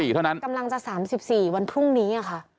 เท่านั้นกำลังจะ๓๔วันพรุ่งนี้ค่ะ